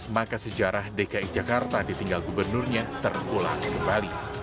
maka sejarah dki jakarta ditinggal gubernurnya terulang kembali